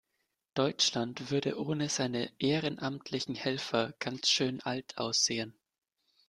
Deutschland würde ohne seine ehrenamtlichen Helfer ganz schön alt aussehen.